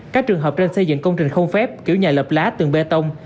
các trường hợp trên xây dựng công trình không phép kiểu nhà lập lá tường bê tông